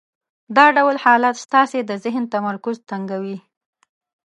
دا ډول حالت ستاسې د ذهن تمرکز تنګوي.